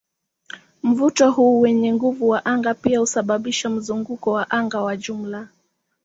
Mvuto huu wenye nguvu wa anga pia husababisha mzunguko wa anga wa jumla.